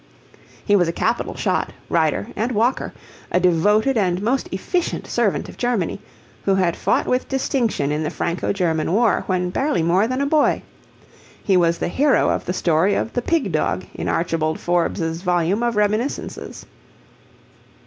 He was a capital shot, rider, and walker, a devoted and most efficient servant of Germany, who had fought with distinction in the Franco German War when barely more than a boy; he was the hero of the story of "the pig dog" in Archibald Forbes's volume of reminiscences.